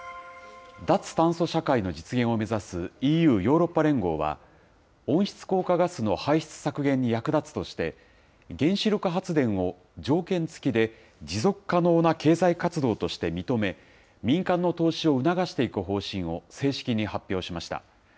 脱炭素社会の実現を目指すＥＵ・ヨーロッパ連合は、温室効果ガスの排出削減に役立つとして、原子力発電を条件付きで持続可能な経済活動として認め、民間の投資を促していく方針を正式に発表しました。